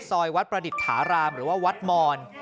ซอยวัดประดิษฐารามหรือว่าวัดมอน